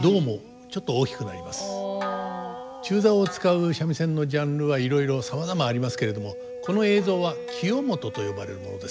中棹を使う三味線のジャンルはいろいろさまざまありますけれどもこの映像は清元と呼ばれるものです。